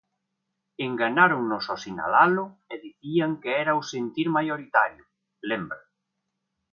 "Enganáronos ao sinalalo e dicían que era o sentir maioritario", lembra.